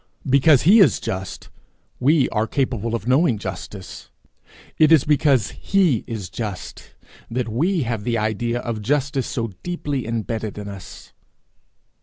Because he is just, we are capable of knowing justice; it is because he is just, that we have the idea of justice so deeply imbedded in us.